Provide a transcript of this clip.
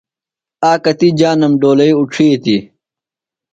آکتیۡ جانم ڈولئی اُڇِھیتیۡ۔